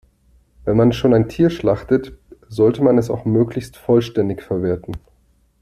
Wenn man schon ein Tier schlachtet, sollte man es auch möglichst vollständig verwerten.